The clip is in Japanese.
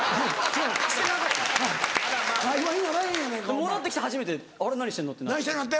戻って来て初めて「あれ何してんの？」ってなって。